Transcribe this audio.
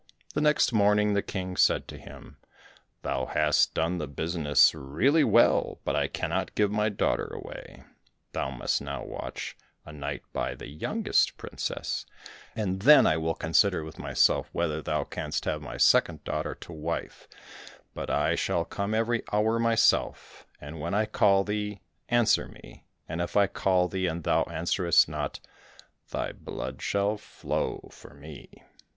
The next morning the King said to him, "Thou hast done the business really well, but I cannot give my daughter away; thou must now watch a night by the youngest princess, and then I will consider with myself whether thou canst have my second daughter to wife, but I shall come every hour myself, and when I call thee answer me, and if I call thee and thou answerest not, thy blood shall flow for me."